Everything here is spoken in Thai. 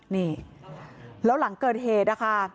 นี่แล้วหลังเกิดเหตุนะคะ